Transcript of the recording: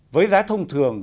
với giá thông thường